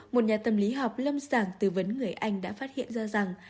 một nhà tâm lý học lâm sàng tư vấn người anh đã phát hiện ra rằng